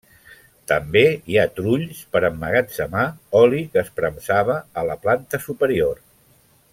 També hi ha trulls per emmagatzemar oli que es premsava a la planta superior.